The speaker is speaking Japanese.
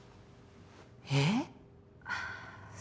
えっ？